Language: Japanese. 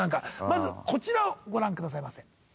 まずこちらをご覧くださいませ。